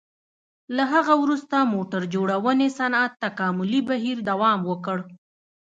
له هغه وروسته موټر جوړونې صنعت تکاملي بهیر دوام وکړ.